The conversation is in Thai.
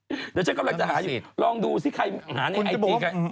เดี๋ยวฉันกำลังจะหาอยู่ลองดูซิใครหาในไอจีใคร